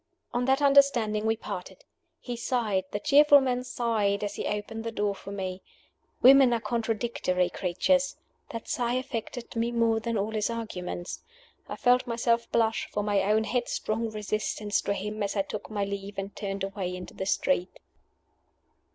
On that understanding we parted. He sighed the cheerful man sighed, as he opened the door for me. Women are contradictory creatures. That sigh affected me more than all his arguments. I felt myself blush for my own head strong resistance to him as I took my leave and turned away into the street.